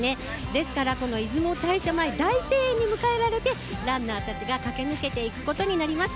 ですからこの出雲大社前、大声援に迎えられて、ランナーたちが駆け抜けていくことになります。